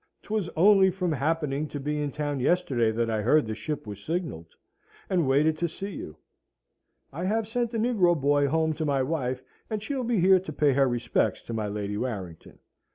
'Twas only from happening to be in town yesterday that I heard the ship was signalled, and waited to see you. I have sent a negro boy home to my wife, and she'll be here to pay her respects to my Lady Warrington."